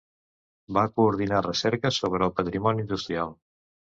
Va coordinar recerques sobre el patrimoni industrial.